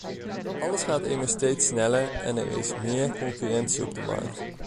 Alles gaat immers steeds sneller en er is meer concurrentie op de markt.